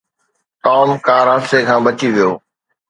Tom car حادثي کان بچي ويو.